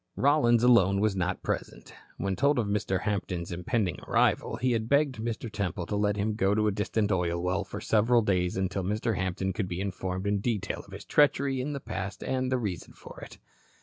Rollins alone was not present. When told of Mr. Hampton's impending arrival, he had begged Mr. Temple to let him go to a distant oil well for several days until Mr. Hampton could be informed in detail of his treachery in the past and the reason for it.